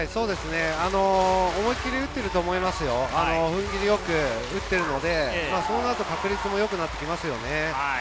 思い切り打っていると思いますよ、踏ん切りよく打っているので、そうなると確率もよくなってきますよね。